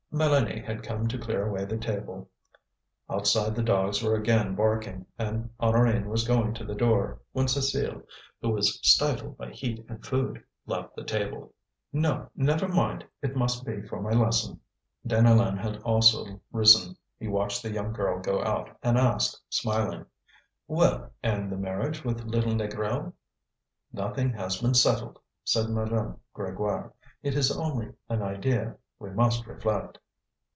Mélanie had come to clear away the table. Outside the dogs were again barking, and Honorine was going to the door, when Cécile, who was stifled by heat and food, left the table. "No, never mind! it must be for my lesson." Deneulin had also risen. He watched the young girl go out, and asked, smiling: "Well! and the marriage with little Négrel?" "Nothing has been settled," said Madame Grégoire; "it is only an idea. We must reflect."